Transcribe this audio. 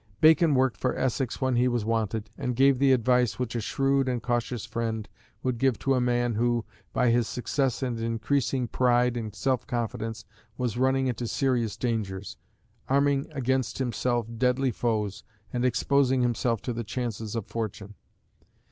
Bacon worked for Essex when he was wanted, and gave the advice which a shrewd and cautious friend would give to a man who, by his success and increasing pride and self confidence, was running into serious dangers, arming against himself deadly foes, and exposing himself to the chances of fortune.